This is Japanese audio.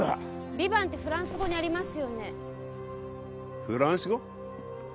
ヴィヴァンってフランス語にありますよねフランス語？